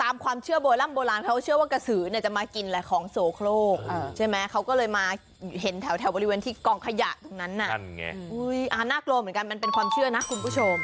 อ้าวน่ากลัวเหมือนกันมันเป็นความเชื่อนะคุณผู้ชม